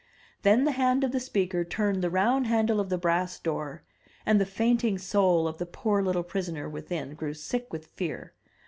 Then the hand of the speaker turned the round handle of the brass door, and the fainting soul of the poor little prisoner within grew sick with fear.